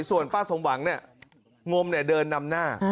ส่วนป้าสมหวังเนี่ยงมเดินนำหน้า